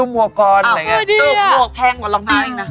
ชุบหวกแพงกว่าลองท้าแจงนะ